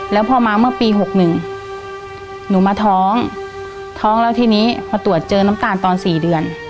แล้วพอมาเมื่อปี๖๑หนูมาท้องท้องแล้วทีนี้มาตรวจเจอน้ำตาลตอน๔เดือน